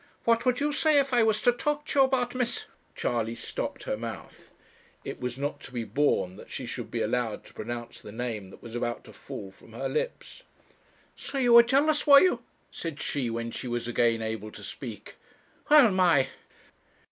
What would you say if I was to talk to you about Miss ' Charley stopped her mouth. It was not to be borne that she should be allowed to pronounce the name that was about to fall from her lips. 'So you were jealous, were you?' said she, when she was again able to speak. 'Well, my!'